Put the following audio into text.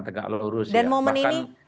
tegak lurus dan momen ini